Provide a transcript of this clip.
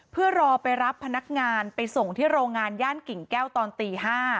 เพื่อรอไปรับพนักงานไปส่งที่โรงงานย่านกิ่งแก้วตอนตี๕